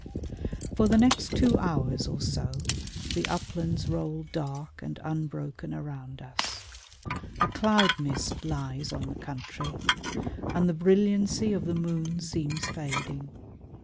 For the next two hours or so the uplands roll dark and unbroken around us. A cloud mist lies on the country, and the brilliancy of the moon seems fading.